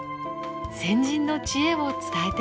先人の知恵を伝えています。